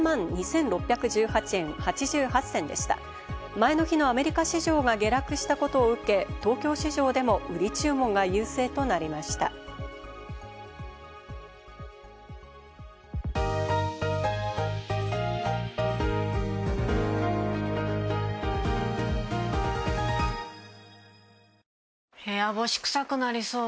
前の日のアメリカ市場が下落したことを受け、東京市場でも売り注部屋干しクサくなりそう。